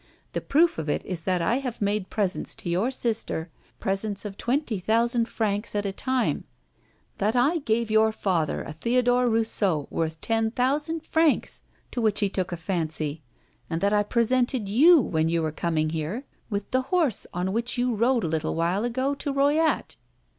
The proof of it is that I have made presents to your sister, presents of twenty thousand francs at a time, that I gave your father a Theodore Rousseau worth ten thousand francs, to which he took a fancy, and that I presented you, when you were coming here, with the horse on which you rode a little while ago to Royat.